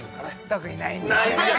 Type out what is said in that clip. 特にないんですよね